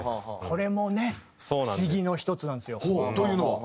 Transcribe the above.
これもね不思議の１つなんですよ。というのは？